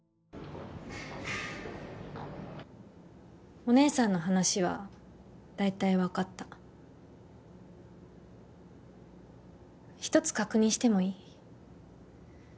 お姉さんの話は大体分かった一つ確認してもいい？